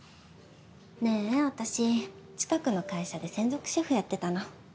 ねえ私近くの会社で専属シェフやってたの。